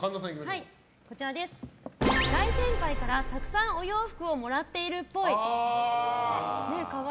大先輩からたくさんお洋服をもらってるっぽい。